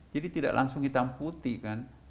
jadi tidak langsung hitam putih kan